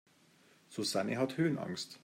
Susanne hat Höhenangst.